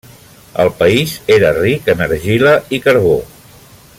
El país era ric en argila i carbó.